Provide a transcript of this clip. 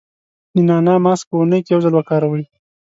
د نعناع ماسک په اونۍ کې یو ځل وکاروئ.